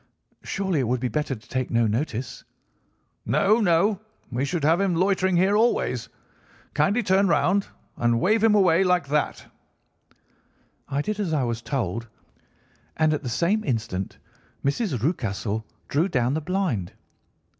"'Surely it would be better to take no notice.' "'No, no, we should have him loitering here always. Kindly turn round and wave him away like that.' "I did as I was told, and at the same instant Mrs. Rucastle drew down the blind.